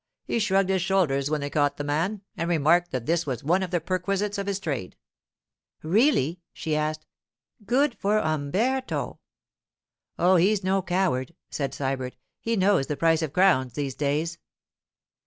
'He shrugged his shoulders when they caught the man, and remarked that this was one of the perquisites of his trade.' 'Really?' she asked. 'Good for Umberto!' 'Oh, he's no coward,' said Sybert. 'He knows the price of crowns these days.